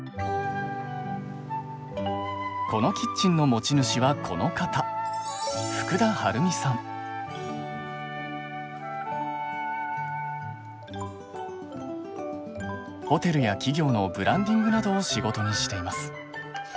このキッチンの持ち主はこの方ホテルや企業のブランディングなどを仕事にしています。